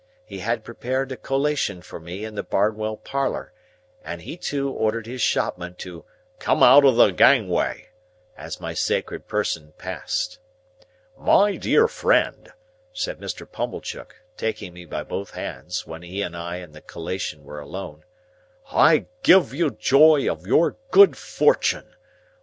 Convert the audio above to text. He had prepared a collation for me in the Barnwell parlour, and he too ordered his shopman to "come out of the gangway" as my sacred person passed. "My dear friend," said Mr. Pumblechook, taking me by both hands, when he and I and the collation were alone, "I give you joy of your good fortune.